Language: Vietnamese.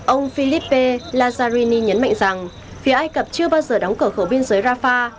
ông philippe lazzarini nhấn mạnh rằng phía ai cập chưa bao giờ đóng cửa khẩu biên giới rafah